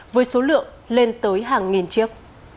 với số lượng lên tới hàng nghìn chiếc